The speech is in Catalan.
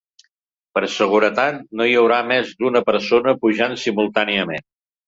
Per seguretat, no hi haurà més d’una persona pujant simultàniament.